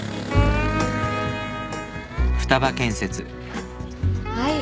あっはい。